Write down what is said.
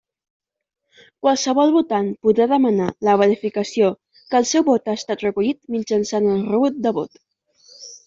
Qualsevol votant podrà demanar la verificació que el seu vot ha estat recollit mitjançant el rebut de vot.